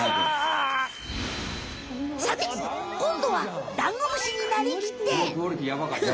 さてこんどはダンゴムシになりきって。